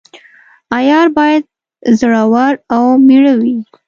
عیار باید زړه ور او میړه وي.